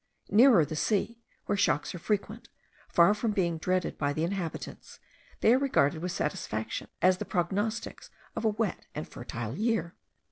Nearer the sea, where shocks are frequent, far from being dreaded by the inhabitants, they are regarded with satisfaction as the prognostics of a wet and fertile year.